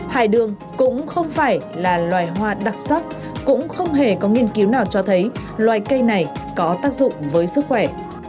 hải đường cũng không phải là loài hoa đặc sắc cũng không hề có nghiên cứu nào cho thấy loài cây này có tác dụng với sức khỏe